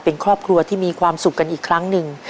เป็นครอบครัวที่มีความสุขกันอีกครั้งหนึ่ง